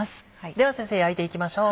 では先生焼いていきましょう。